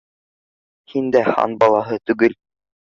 Һин дә хан балаһы түгел.